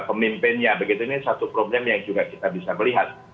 pemimpinnya begitu ini satu problem yang juga kita bisa melihat